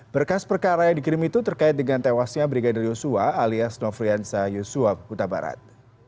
berkas perkara yang dikirim itu terkait dengan tewasnya brigadir yosua alias nofriansa yosua huta barat